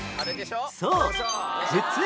そう